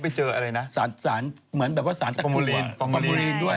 เพราะเขาไปเจอพร้อมมูลินด้วย